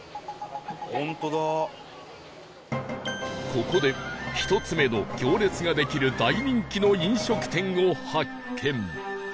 ここで１つ目の行列ができる大人気の飲食店を発見